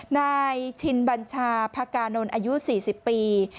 นายชินบัญชาพกานนท์อายุ๔๐ปี